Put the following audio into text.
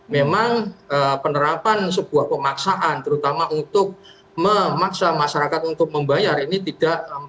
memang penerapan sebuah pemaksaan terutama untuk memaksa masyarakat untuk membayar ini tidak